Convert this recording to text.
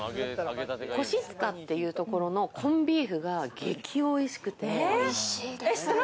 腰塚っていうところのコンビーフが激おいしくて。